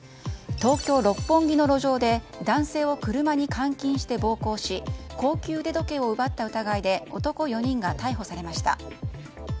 東京・六本木の路上で男性を車に監禁して暴行し、高級腕時計を奪った疑いで男４人が逮捕されました。